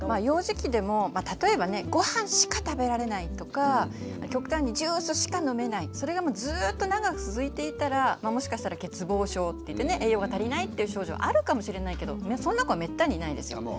幼児期でも例えばねご飯しか食べられないとか極端にジュースしか飲めないそれがもうずっと長く続いていたらもしかしたら欠乏症っていってね栄養が足りないっていう症状あるかもしれないけどそんな子はめったにいないですよ。